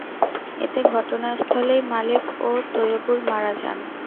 এতে ঘটনাস্থলেই মালেক ও তৈয়বুর মারা যান।